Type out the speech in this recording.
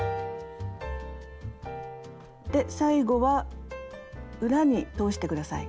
で最後は裏に通して下さい。